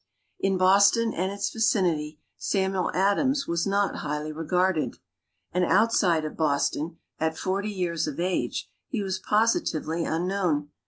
In Boston and its vicinity, Samuel Adams was not highly regarded, and outside of Boston, at forty years of age, he was positively unknown.